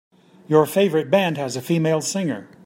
Your favorite band has a female singer.